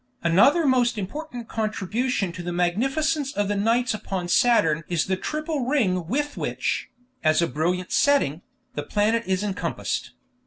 Another most important contribution to the magnificence of the nights upon Saturn is the triple ring with which, as a brilliant setting, the planet is encompassed.